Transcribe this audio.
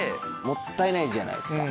もったいないじゃないですか。